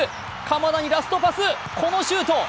鎌田にラストパス、このシュート。